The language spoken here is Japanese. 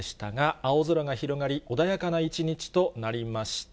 青空が広がり、穏やかな一日となりました。